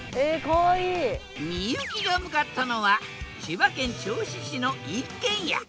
幸が向かったのは千葉県銚子市の一軒家。